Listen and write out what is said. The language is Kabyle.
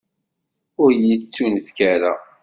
Ur yi-tettunefk ara.